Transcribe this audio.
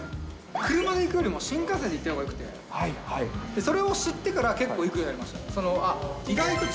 車で行くよりも新幹線で行く方がよくて、それを知ってから、結構行くようになりました。